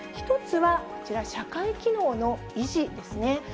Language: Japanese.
１つはこちら、社会機能の維持ですね。